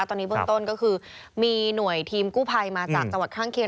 ตอนนี้เบื้องต้นก็คือมีหน่วยทีมกู้ภัยมาจากจังหวัดข้างเคียง